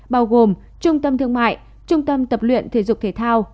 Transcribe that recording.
bao gồm trung tâm thương mại trung tâm tập luyện thể dục thể thao